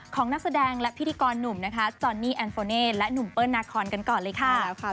นักแสดงและพิธีกรหนุ่มนะคะจอนนี่แอนโฟเน่และหนุ่มเปิ้ลนาคอนกันก่อนเลยค่ะแล้วค่ะ